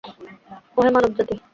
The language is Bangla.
ওহে মানব জাতি!